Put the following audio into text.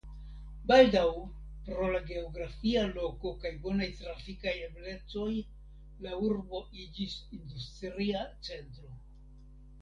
Baldaŭ pro la geografia loko kaj bonaj trafikaj eblecoj la urbo iĝis industria centro.